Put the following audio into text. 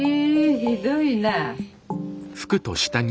ひどいな。